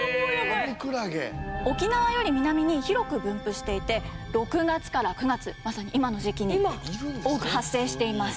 沖縄より南に広く分布していて６月から９月まさに今の時期に多く発生しています。